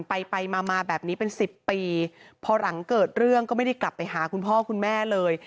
ไปไปมามาแบบนี้เป็นสิบปีพอหลังเกิดเรื่องก็ไม่ได้กลับไปหาคุณพ่อคุณแม่เลย